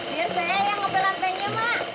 biasanya yang ngebelantainya mak